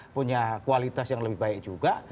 punya kualitas yang lebih baik juga